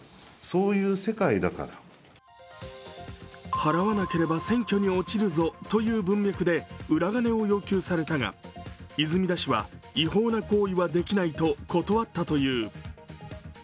払わなければ選挙に落ちるぞという文脈で裏金を要求されたが、泉田氏は違法な行為はできないと断ったという。